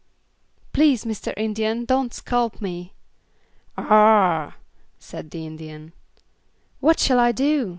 "Please, Mr. Indian, don't scalp me." "Ugh!" said the Indian. "What shall I do?"